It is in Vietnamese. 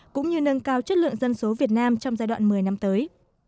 cũng như nâng cao chất lượng dân số việt nam trong giai đoạn một mươi năm tới